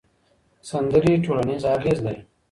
سندرې ټولنیز اغېز لري.